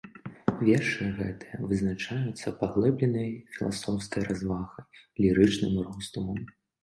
Вершы гэтыя вызначаюцца паглыбленай філасофскай развагай, лірычным роздумам.